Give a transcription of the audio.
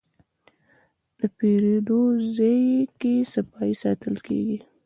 د پیرود ځای کې صفایي ساتل کېږي.